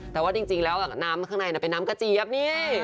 แต่ว่าจริงแล้วน้ำข้างในเป็นน้ำกระเจี๊ยบนี่